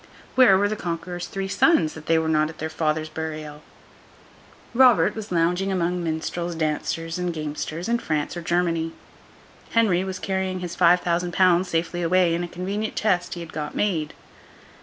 Where were the Conqueror's three sons, that they were not at their father's burial? Robert was lounging among minstrels, dancers, and gamesters, in France or Germany. Henry was carrying his five thousand pounds safely away in a convenient chest he had got made.